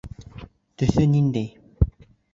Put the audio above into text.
Төҫө ниндәй?